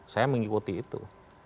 saya mengikuti itu